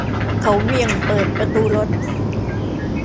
เขาเหวี่ยงเปิดประตูรถ